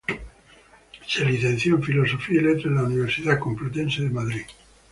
Se licenció en Filosofía y Letras en la Universidad Complutense de Madrid.